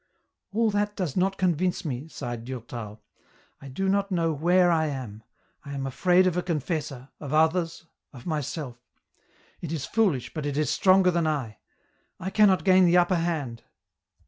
" All that does not convince me," sighed Durtal. " I do not know where I am ; I am afraid of a confessor, of others, of myself ; it is foolish, but it is stronger than I. I cannot gain the upper hand."